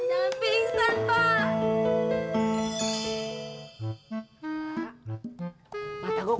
nanti invimpian pak